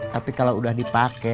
tapi kalau udah dipake